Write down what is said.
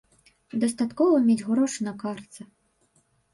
Дастаткова мець грошы на картцы.